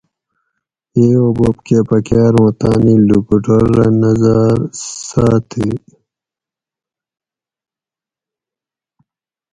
ییو بوب کہ پکاۤر اُوں تانی لوکوٹوررہ نظاۤر ساۤتی